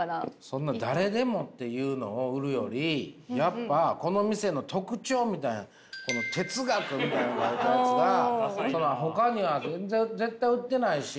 そんな誰でもっていうのを売るよりやっぱこの店の特徴みたいなこの「哲学」みたいな書いたやつがほかには絶対売ってないし。